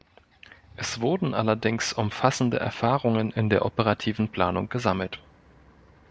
Es wurden allerdings umfassende Erfahrungen in der operativen Planung gesammelt.